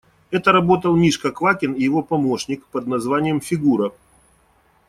Это работал Мишка Квакин и его помощник, под названием «Фигура».